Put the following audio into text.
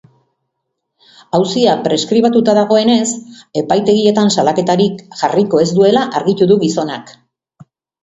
Auzia preskribatuta dagoenez, epaitegietan salaketarik jarriko ez duela argitu du gizonak.